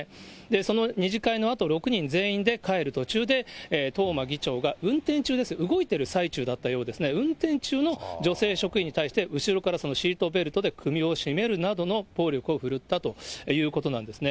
その２次会のあと、６人全員で帰る途中で、東間議長が運転中です、動いてる最中だったようですね、運転中の女性職員に対して、後ろからシートベルトで首を絞めるなどの暴力を振るったということなんですね。